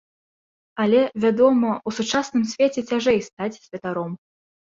Але, вядома, у сучасным свеце цяжэй стаць святаром.